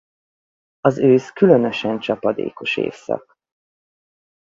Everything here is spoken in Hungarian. Az ősz különösen csapadékos évszak.